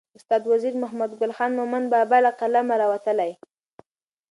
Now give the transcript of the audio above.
استاد وزیر محمدګل خان مومند بابا له قلمه راوتلې.